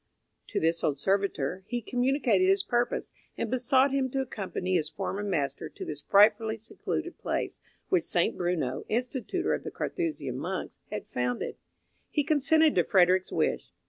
To this old servitor he communicated his purpose, and besought him to accompany his former master to this frightfully secluded place, which St. Bruno, institutor of the Carthusian Monks, had founded. He consented to Frederick's wish.